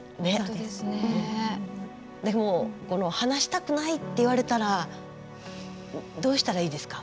でも話したくないって言われたらどうしたらいいですか？